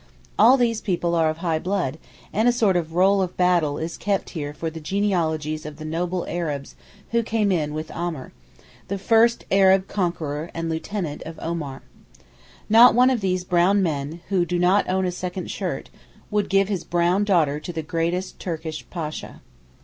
All these people are of high blood, and a sort of 'roll of Battle' is kept here for the genealogies of the noble Arabs who came in with Amr—the first Arab conqueror and lieutenant of Omar. Not one of these brown men, who do not own a second shirt, would give his brown daughter to the greatest Turkish Pasha.